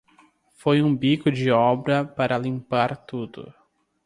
Foi um bico de obra para limpar tudo.